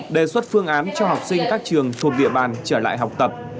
đề xuất phương án cho học sinh các trường thuộc địa bàn trở lại học tập